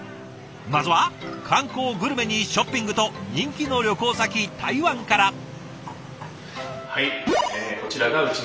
まずは観光グルメにショッピングと人気の旅行先台湾から。